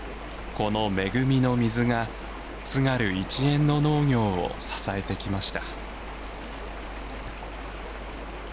この恵みの水が津軽一円の農業を支えてきました。